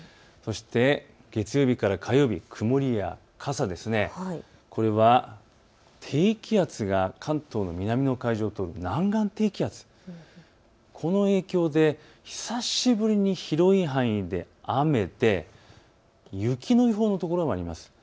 そして月曜日から火曜日、曇りや傘、これは低気圧が関東の南の海上、南岸低気圧、この影響で久しぶりに広い範囲で雨で雪の予報もあります。